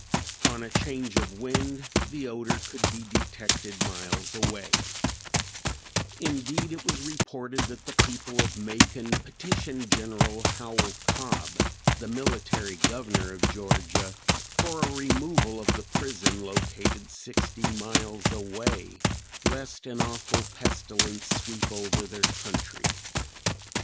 On a change of wind the odor could be detected miles away; indeed it was reported that the people of Macon petitioned General Howell Cobb, the military governor of Georgia, for a removal of the prison located sixty miles away, lest an awful pestilence sweep over their country!